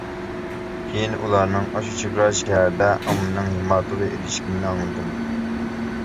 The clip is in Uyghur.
كېيىن ئۇلارنىڭ ئاشۇ چېگرا شەھەردە ئاممىنىڭ ھىماتىغا ئېرىشكىنىنى ئاڭلىدىم.